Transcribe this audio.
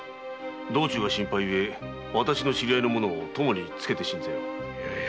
道中が心配ゆえ私の知り合いの者を供につけよう。